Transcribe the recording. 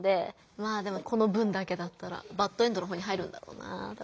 まあでもこの文だけだったらバッドエンドの方に入るんだろうな。